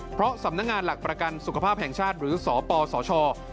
เพราะสำนักงานหลักประกันสุขภาพแห่งชาติหรือสปสช